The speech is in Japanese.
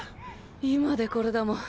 今でこれだもん。